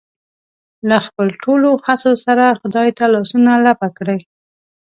له خپلو ټولو هڅو سره خدای ته لاسونه لپه کړي.